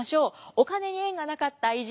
お金に縁がなかった偉人